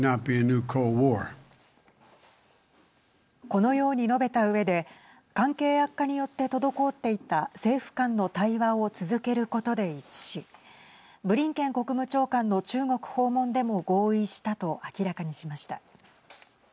このように述べたうえで関係悪化によって滞っていた政府間の対話を続けることで一致しブリンケン国務長官の中国訪問でも合意したと明らかにしました。